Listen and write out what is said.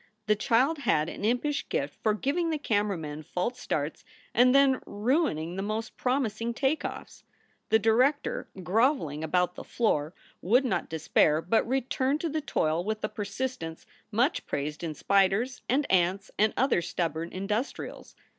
The child had an impish gift for giving the camera men false starts and then ruining the most promising take offs. The director, groveling about the floor, would not despair, but returned to the toil with a persistence much praised in spiders and ants and other stubborn industrials.